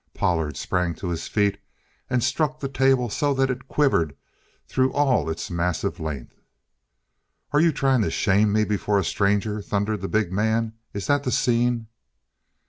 Pollard sprang to his feet and struck the table so that it quivered through all its massive length. "Are you trying to shame me before a stranger?" thundered the big man. "Is that the scene?"